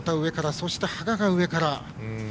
そして羽賀が上から。